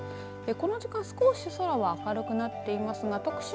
この時間、少し空は明るくなっていますが徳島